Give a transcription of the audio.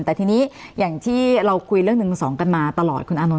แต่ทีนี้อย่างที่เราคุยเรื่อง๑๒กันมาตลอดคุณอานนท